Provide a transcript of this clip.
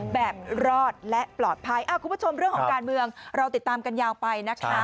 แบบรอดและปลอดภัยคุณผู้ชมเรื่องของการเมืองเราติดตามกันยาวไปนะคะ